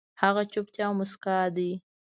هغه چوپتيا او موسکا دي